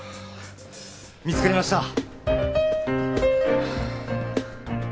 見つかりました。